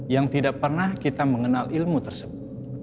yang tidak pernah kita mengenal ilmu tersebut